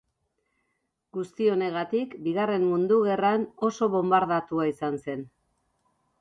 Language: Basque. Guzti honegatik Bigarren Mundu Gerran oso bonbardatua izan zen.